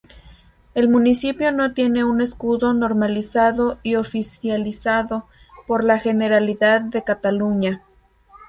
El municipio no tiene un escudo normalizado y oficializado por la Generalidad de Cataluña.